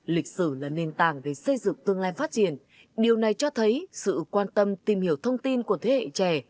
lịch sử là nền tảng để xây dựng tương lai phát triển điều này cho thấy sự quan tâm tìm hiểu thông tin của thế hệ trẻ